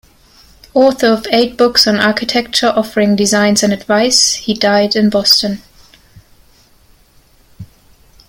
Author of eight books on architecture offering designs and advice, he died in Boston.